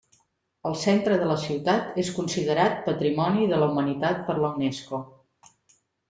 El centre de la ciutat és considerat Patrimoni de la Humanitat per la Unesco.